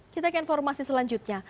kita ke informasi selanjutnya